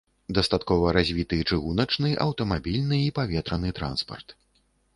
Дастаткова развіты чыгуначны, аўтамабільны і паветраны транспарт.